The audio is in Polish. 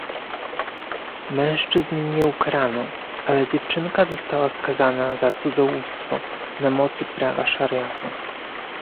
Mężczyzn nie ukarano, ale dziewczynka została skazana za cudzołóstwo na mocy prawa szariatu